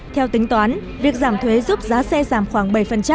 theo tính toán việc giảm thuế giúp giá xe giảm khoảng bảy